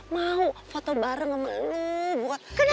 mau foto bareng sama lu bukan iklan